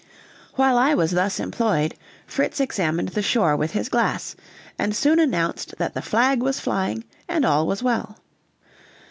While I was thus employed, Fritz examined the shore with his glass, and soon announced that the flag was flying and all was well.